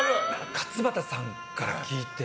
勝俣さんから聞いて。